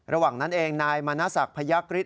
ระหว่างนั้นเองนายมณศักดิ์พยักฤทธ